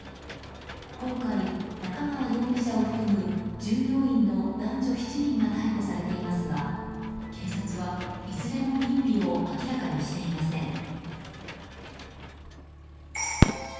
今回、中川容疑者を含む従業員の男女７人が逮捕されていますが警察は、いずれも認否を明らかにしていません。